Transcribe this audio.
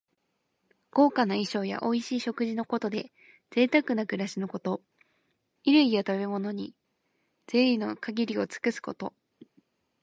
豪華な衣装やおいしい食事のことで、ぜいたくな暮らしのこと。衣類や食べ物に、ぜいの限りを尽くすこと。